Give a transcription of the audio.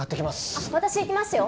あっ私行きますよ。